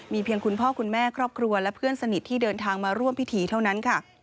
เพียงคุณพ่อคุณแม่ครอบครัวและเพื่อนสนิทที่เดินทางมาร่วมพิธีเท่านั้นค่ะ